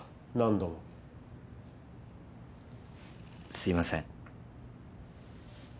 すいません。